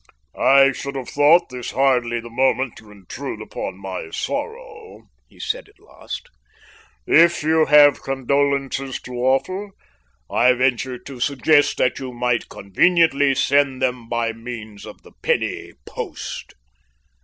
"I should have thought this hardly the moment to intrude upon my sorrow," he said at last. "If you have condolences to offer, I venture to suggest that you might conveniently send them by means of the penny post."